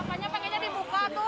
pernyataannya dibuka segera dibuka